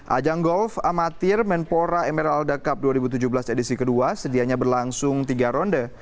ajang golf amatir menpora emerald cup dua ribu tujuh belas edisi kedua sedianya berlangsung tiga ronde